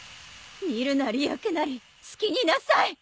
煮るなり焼くなり好きになさい！